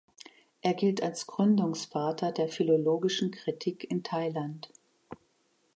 Er gilt als Gründungsvater der philologischen Kritik in Thailand.